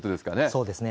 そうですね。